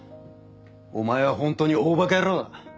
お前はホントに大バカ野郎だ。